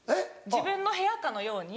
自分の部屋かのように。